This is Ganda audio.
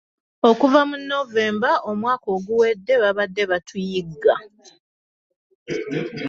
Okuva mu Novemba omwaka oguwedde babadde batuyigga.